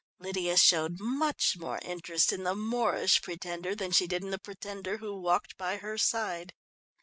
Lydia showed much more interest in the Moorish Pretender than she did in the pretender who walked by her side.